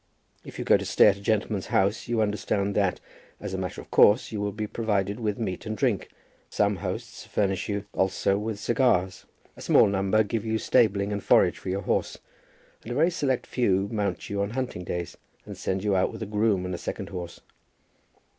If you go to stay at a gentleman's house you understand that, as a matter of course, you will be provided with meat and drink. Some hosts furnish you also with cigars. A small number give you stabling and forage for your horse; and a very select few mount you on hunting days, and send you out with a groom and a second horse.